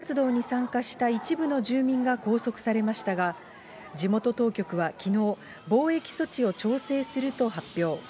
映像が撮影された地区では、抗議活動に参加した一部の住民が拘束されましたが、地元当局はきのう、防疫措置を調整すると発表。